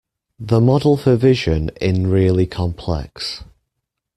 The model for vision in really complex.